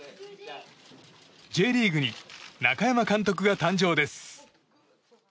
Ｊリーグに中山監督が誕生です。